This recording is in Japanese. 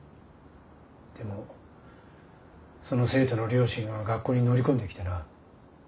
でもその生徒の両親は学校に乗り込んできてな。